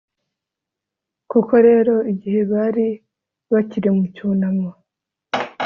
koko rero, igihe bari bakiri mu cyunamo